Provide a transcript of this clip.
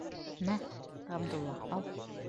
Мә, Ғабдулла, ал.